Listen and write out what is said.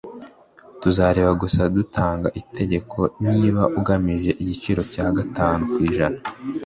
tuzareba gusa gutanga itegeko niba ugabanije igiciro gatanu ku ijana